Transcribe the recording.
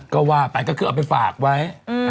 ก็ว่าไปก็คือเอาไปฝากไว้